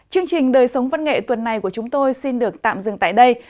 chương trình đời sống văn nghệ tuần này của chúng tôi xin được tạm dừng tại đây